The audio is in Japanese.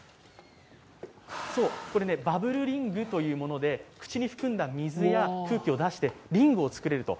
これ、バブルリングというもので口に含んだ水や空気を出してリングを作れると。